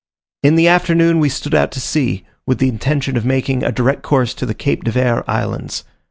In the afternoon we stood out to sea, with the intention of making a direct course to the Cape de Verd Islands.